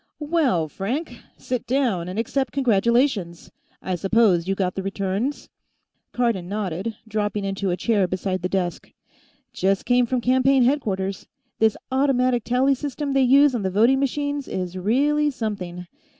"Well, Frank! Sit down and accept congratulations! I suppose you got the returns?" Cardon nodded, dropping into a chair beside the desk. "Just came from campaign headquarters. This automatic tally system they use on the voting machines is really something.